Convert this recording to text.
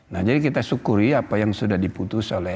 nah jadi kita syukuri apa yang sudah diputus oleh